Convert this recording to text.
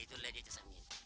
itulah deh cezamin